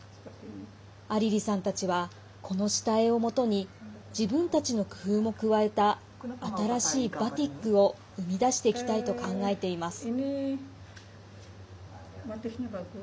アリリさんたちはこの下絵をもとに自分たちの工夫も加えた新しいバティックを生み出していきたいと考えています。